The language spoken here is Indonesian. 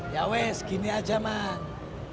ya weh segini aja man